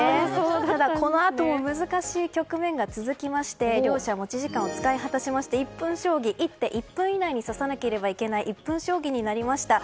ただ、このあとも難しい局面が続きまして両者、持ち時間を使い果たしまして１分将棋１手１分以内に指さなければいけない１分将棋になりました。